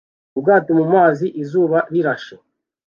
Ubwato mu mazi izuba rirashe